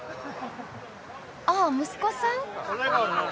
あっ息子さん。